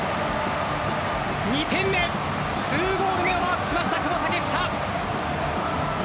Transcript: ２点目、２ゴール目をマークしました、久保建英。